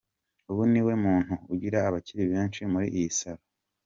Ubu niwe muntu ugira abakiri benshi muri iyi salon.